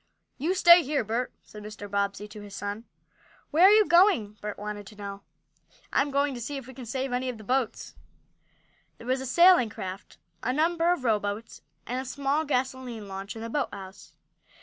"You stay here, Bert," said Mr. Bobbsey to his son. "Where are you going?" Bert wanted to know. "I'm going to see if we can save any of the boats." There was a sailing craft, a number of rowboats, and a small gasoline launch in the boathouse.